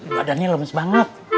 badannya lemes banget